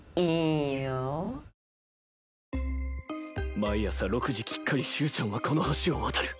毎朝６時きっかり終ちゃんはこの橋を渡る